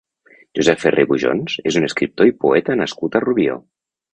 Josep Ferrer Bujons és un escriptor i poeta nascut a Rubió.